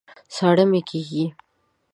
ساړه مي کېږي